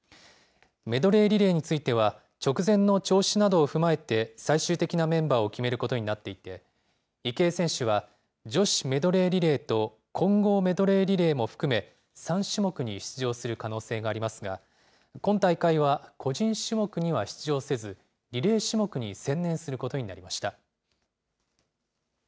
メドレーリレーについては、直前の調子などを踏まえて、最終的なメンバーを決めることになっていて、池江選手は女子メドレーリレーと、混合メドレーリレーも含め３種目に出場する可能性がありますが、今大会は個人種目には出場せず、リレー種目に専念することになりました。